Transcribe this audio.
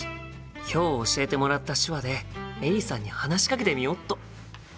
今日教えてもらった手話でエリさんに話しかけてみよっと！